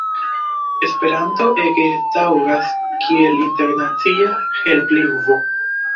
Esperanto ege taŭgas kiel internacia helplingvo.